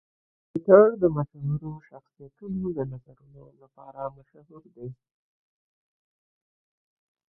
ټویټر د مشهورو شخصیتونو د نظرونو لپاره مشهور دی.